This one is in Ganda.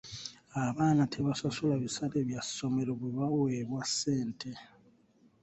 Abaana tebasasula bisale bya ssomero bwe baweebwa ssente.